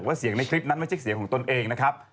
เสียงในคลิปนั้นไม่ใช่เสียงของตนเองนะครับ